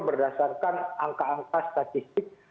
berdasarkan angka angka statistik